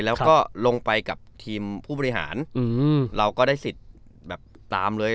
แล้วก็ลงไปกับทีมผู้บริหารเราก็ได้สิทธิ์แบบตามเลย